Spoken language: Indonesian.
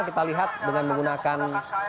kita lihat dengan menggunakan